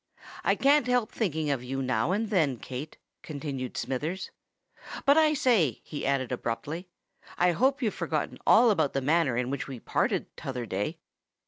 "I can't help thinking of you now and then, Kate," continued Smithers. "But, I say," he added abruptly, "I hope you've forgotten all about the manner in which we parted t'other day?"